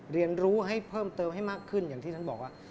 เรียนรู้ให้เพิ่มเติมให้มากขึ้นอย่างที่ท่านบอกว่า